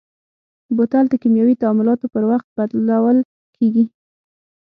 بوتل د کیمیاوي تعاملاتو پر وخت بدلول کېږي.